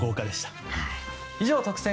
以上、特選！！